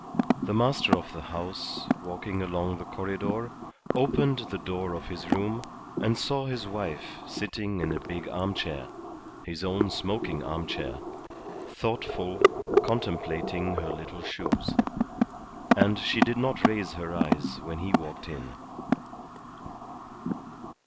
The master of the house, walking along the corredor, opened the door of his room, and saw his wife sitting in a big armchair his own smoking armchair thoughtful, contemplating her little shoes. And she did not raise her eyes when he walked in.